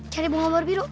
cari bunga mawar biru